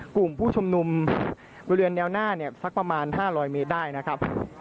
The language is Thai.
กลุ่มผู้ชุมนุมบริเวณแนวหน้าเนี่ยสักประมาณ๕๐๐เมตรได้นะครับ